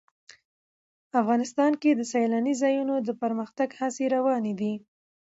افغانستان کې د سیلاني ځایونو د پرمختګ هڅې روانې دي.